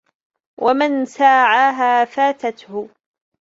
وَمَنْ سَاعَاهَا فَاتَتْهُ